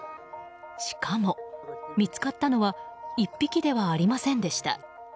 しかも、見つかったのは１匹ではありませんでした。